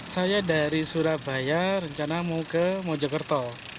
saya dari surabaya rencana mau ke mojokerto